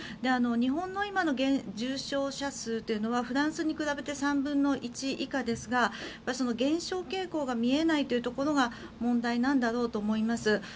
日本の今の重症者数というのはフランスに比べて３分の１以下ですが、減少傾向が見えないというところが問題なんだろうと思います。